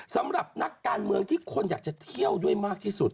สำหรับนักการเมืองที่คนอยากจะเที่ยวด้วยมากที่สุด